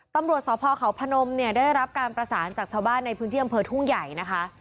ตำรวจสพเขาพนมเนี่ยได้รับการประสานจากชาวบ้านในพื้นที่อำเภอทุ่งใหญ่นะคะ